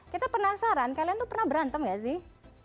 kita penasaran kalian tuh pernah berantem gak sih